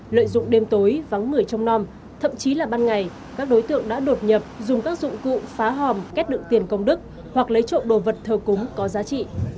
lợi dụng đêm tối vắng mười trong năm thậm chí là ban ngày các đối tượng đã đột nhập dùng các dụng cụ phá hòm kết đựng tiền công đức hoặc lấy trộm đồ vật thờ cúng có giá trị